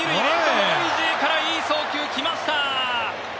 ノイジーからいい送球が来ました。